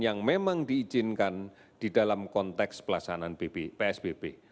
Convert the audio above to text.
yang memang diizinkan di dalam konteks pelaksanaan psbb